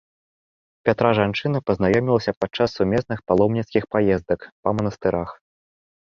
Пятра жанчына пазнаёмілася падчас сумесных паломніцкіх паездак па манастырах.